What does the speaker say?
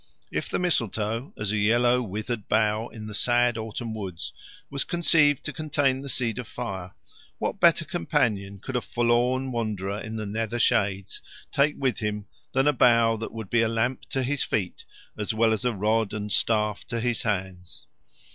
If the mistletoe, as a yellow withered bough in the sad autumn woods, was conceived to contain the seed of fire, what better companion could a forlorn wanderer in the nether shades take with him than a bough that would be a lamp to his feet as well as a rod and staff to his hands?